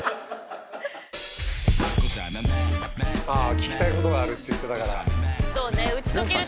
聞きたいことがあるって言ってたから。